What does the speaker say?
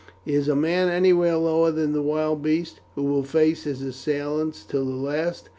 Is man anywhere lower than the wild beast, who will face his assailants till the last?